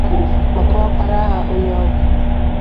ma kọwatakwara ha onye ọ bụ.